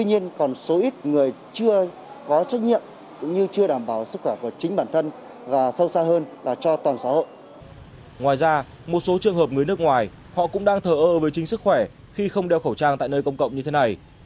ngoài ra một số trường hợp người nước ngoài họ cũng đang thờ ơ với chính sức khỏe khi không đeo khẩu trang tại nơi công cộng như thế này